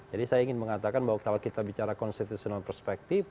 jadi saya ingin mengatakan bahwa kalau kita bicara konsitusional perspektif